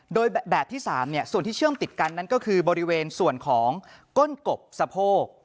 โดยแบบที่๓ส่วนที่เชื่อมติดกันนั้นก็คือบริเวณส่วนของก้นกบสะโพก